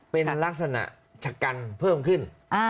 เป็นลักษณะชะกันเพิ่มขึ้น